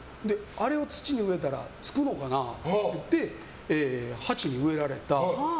あれを土に植えたらつくのかなって鉢に植えられた。